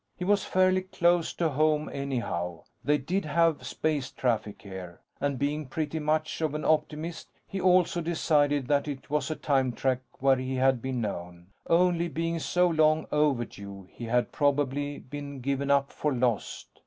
He was fairly close to home, anyhow. They did have space traffic here. And being pretty much of an optimist, he also decided that it was a time track where he had been known. Only being so long overdue, he had probably been given up for lost.